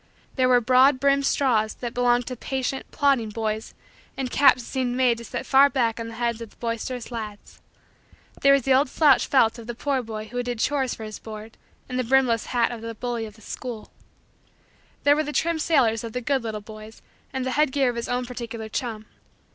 There were broad brimmed straws that belonged to the patient, plodding, boys and caps that seemed made to set far back on the heads of the boisterous lads. There was the old slouch felt of the poor boy who did chores for his board and the brimless hat of the bully of the school. There were the trim sailors of the good little boys and the head gear of his own particular chum.